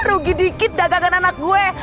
rugi dikit dagang anak gua